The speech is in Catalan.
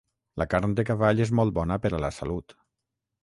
La carn de cavall és molt bona per a la salut.